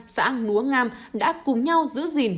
xã núa ngam đã cùng nhau giữ gìn